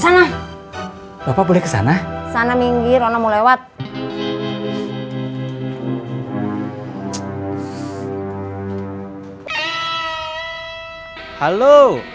sana bapak boleh kesana sana minggir rono mau lewat halo